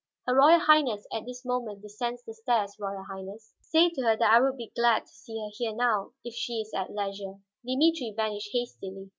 "Her Royal Highness at this moment descends the stairs, Royal Highness." "Say to her that I would be glad to see her here, now, if she is at leisure." Dimitri vanished hastily.